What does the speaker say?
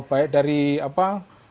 baik dari apa